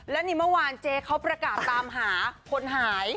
และนี่เมื่อวานเจ๊เขาประกาศตามหาคนหาย